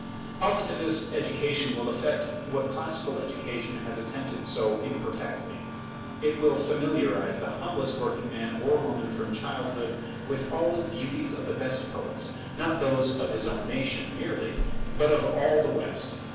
Positivist education will effect what classical education has attempted so imperfectly. It will familiarize the humblest working man or woman from childhood with all the beauties of the best poets; not those of his own nation merely, but of all the West.